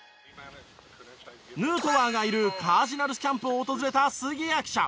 ヌートバーがいるカージナルスキャンプを訪れた杉谷記者。